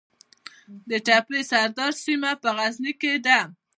د تپې سردار سیمه په غزني کې ده